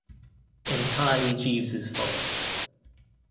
Entirely Jeeves's fault.